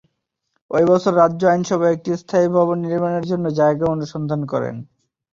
ঐ বছর রাজ্য আইনসভা একটি স্থায়ী ভবন নির্মাণের জন্য জায়গা অনুসন্ধান করে।